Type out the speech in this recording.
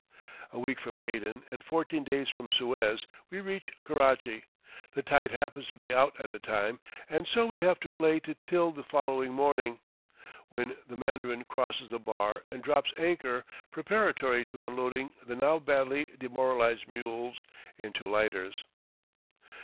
A week from Aden, and fourteen days from Suez we reach Karachi. The tide happens to be out at the time, and so we have to lay to till the following morning, when the Mandarin crosses the bar and drops anchor preparatory to unloading the now badly demoralized mules into lighters.